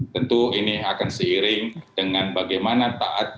tentu ini akan seiring dengan bagaimana kita memiliki kekuatan